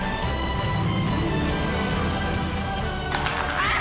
あっ！